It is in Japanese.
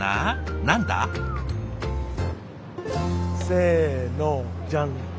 せのじゃん。